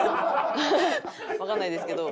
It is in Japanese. わかんないですけど。